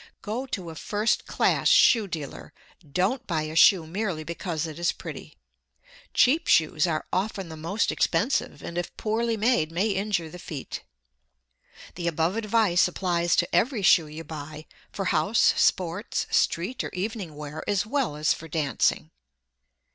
Go to a first class shoe dealer. Don't buy a shoe merely because it is pretty. Cheap shoes are often the most expensive, and if poorly made may injure the feet. The above advice applies to every shoe you buy, for house, sports, street or evening wear, as well as for dancing.